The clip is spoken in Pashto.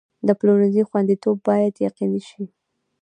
د پلورنځي خوندیتوب باید یقیني شي.